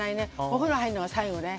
お風呂入るのは最後ね。